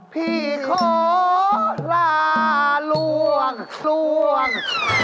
พี่ขอลาล่วงล่วง